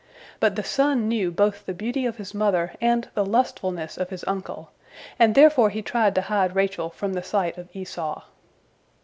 But the son knew both the beauty of his mother and the lustfulness of his uncle, and therefore he tried to hide Rachel from the sight of Esau.